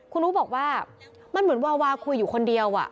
คุณอู๋บอกว่ามันเหมือนวาวาคุยอยู่คนเดียว